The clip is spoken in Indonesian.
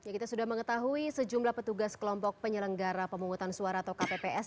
kita sudah mengetahui sejumlah petugas kelompok penyelenggara pemungutan suara atau kpps